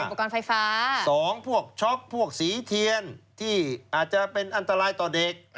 อุปกรณ์ไฟฟ้า๒พวกช็อกพวกสีเทียนที่อาจจะเป็นอันตรายต่อเด็ก